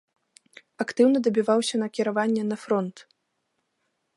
Актыўна дабіваўся накіравання на фронт.